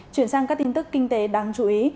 chuyển sang các tin tức kinh tế đáng chú ý